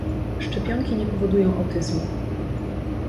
Szczepionki nie powodują autyzmu.